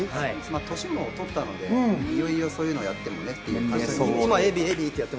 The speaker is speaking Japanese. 年もとったので、いろいろそういうのもやってもねぇってね。